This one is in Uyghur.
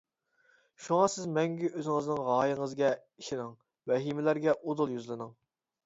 شۇڭا سىز مەڭگۈ ئۆزىڭىزنىڭ غايىڭىزگە ئىشىنىڭ، ۋەھىمىلەرگە ئۇدۇل يۈزلىنىڭ.